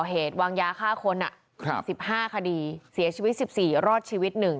เหตุวางยาฆ่าคน๑๕คดีเสียชีวิต๑๔รอดชีวิต๑